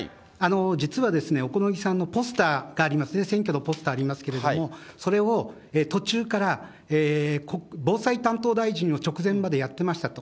実は、小此木さんのポスターがありますね、選挙のポスターありますけど、それを途中から防災担当大臣を直前までやってましたと。